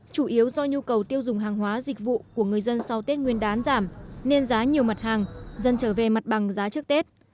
chủ yếu do nhu cầu tiêu dùng hàng hóa dịch vụ của người dân sau tết nguyên đán giảm nên giá nhiều mặt hàng dân trở về mặt bằng giá trước tết